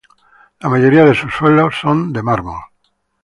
La mayoría de sus suelos son de mármol.